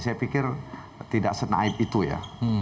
saya pikir tidak senaib itu ya